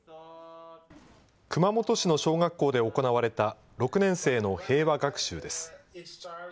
熊本市の小学校で行われた６年生の平和学習です。